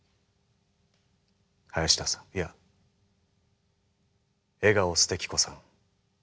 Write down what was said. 林田さんいや笑顔素敵子さん。